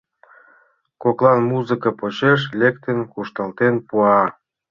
Коклан музыка почеш лектын кушталтен пуа.